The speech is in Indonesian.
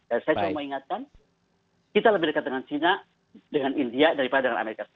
dan saya cuma ingatkan kita lebih dekat dengan china dengan india daripada dengan as